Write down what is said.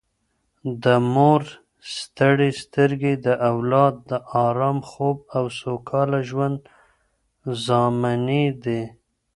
د مور ستړې سترګې د اولاد د ارام خوب او سوکاله ژوند ضامنې دي